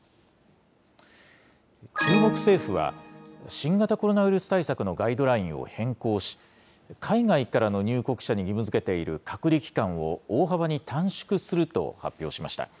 中国政府は、新型コロナウイルス対策のガイドラインを変更し、海外からの入国者に義務づけている隔離期間を大幅に短縮すると発表しました。